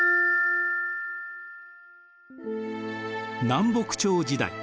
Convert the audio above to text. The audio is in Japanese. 南北朝時代